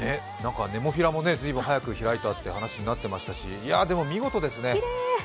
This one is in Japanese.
ネモフィラも随分早く開いたという話になっていましたしでも見事ですね。